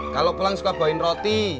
kalau pulang suka bawain roti